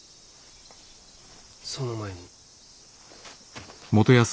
その前に。